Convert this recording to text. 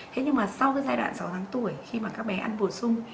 thế nhưng mà sau cái giai đoạn sáu tháng tuổi khi mà các bé ăn bổ sung